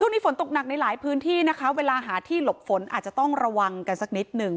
ช่วงนี้ฝนตกหนักในหลายพื้นที่นะคะเวลาหาที่หลบฝนอาจจะต้องระวังกันสักนิดหนึ่ง